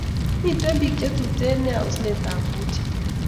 Miten pik che Tuten nea osent ab mauche